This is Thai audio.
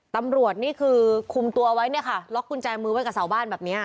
ตำรวจนี่คือคุมตัวไว้เนี่ยค่ะล็อกกุญแจมือไว้กับเสาบ้านแบบนี้